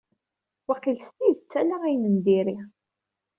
Waqil s tidet ala ayen n diri.